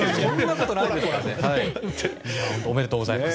おめでとうございます。